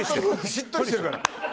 しっとりしてるから。